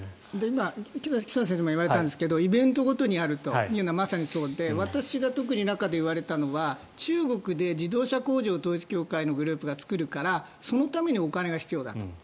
紀藤先生も言われたんですがイベントごとにあるというのはまさにそうで私が特に中で言われたのは中国で自動車工場を統一教会のグループが作るからそのためにお金が必要だと。